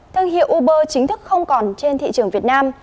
thương hiệu uber chính thức không còn trên thị trường việt nam